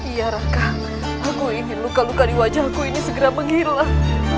iya raka aku ingin luka luka di wajahku ini segera menghilang